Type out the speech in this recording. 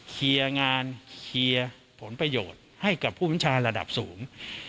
เคลียร์งานเคลียร์ผลประโยชน์ให้กับผู้บัญชาระดับสูง